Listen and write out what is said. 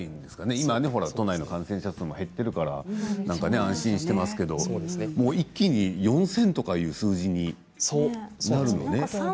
今都内の感染者数も減っているから安心していますが一気に４０００とかいう数字になるんですね。